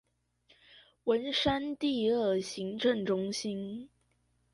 文山第二行政中心